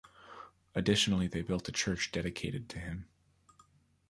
Additionally they built a church dedicated to him.